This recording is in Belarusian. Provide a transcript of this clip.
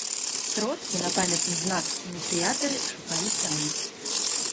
Сродкі на памятны знак ініцыятары шукалі самі.